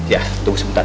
ya tunggu sebentar